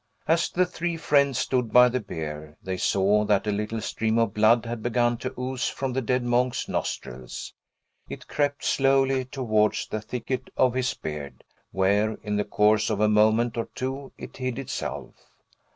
As the three friends stood by the bier, they saw that a little stream of blood had begun to ooze from the dead monk's nostrils; it crept slowly towards the thicket of his beard, where, in the course of a moment or two, it hid itself.